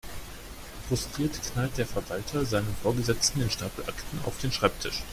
Frustriert knallt der Verwalter seinem Vorgesetzten den Stapel Akten auf den Schreibtisch.